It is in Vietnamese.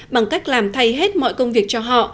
bằng cách làm thay hết mọi công việc cho họ